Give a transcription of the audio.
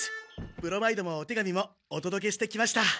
ブロマイドもお手紙もおとどけしてきました！